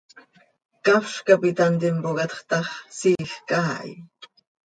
Ccafz cap it hant impoocatx ta x, siijc haa hi.